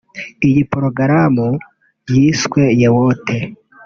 Iyi porogaramu yiswe “Yeyote”